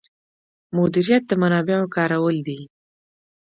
مدیریت د منابعو کارول دي